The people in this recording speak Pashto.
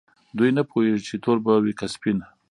دوی نه پوهیږي چې تور به وي که سپین.